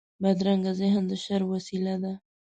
بدرنګه ذهن د شر وسيله ده